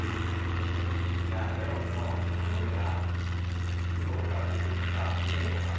じゃあメロンのあみ目がいつごろからできるのかみてみようか。